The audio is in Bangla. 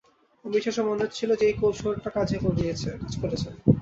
অবিশ্বাস্য মনে হচ্ছিল যে এই কৌশলটা কাজ করেছে।